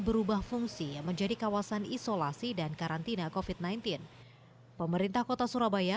berubah fungsi menjadi kawasan isolasi dan karantina kofit sembilan belas pemerintah kota surabaya